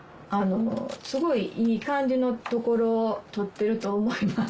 すごいいい感じのところを撮ってると思います。